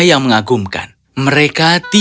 semoga kamu tidak merosot